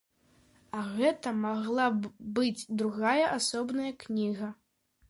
А гэта магла б быць другая, асобная кніга.